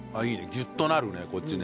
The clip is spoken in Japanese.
ギュッとなるねこっちね。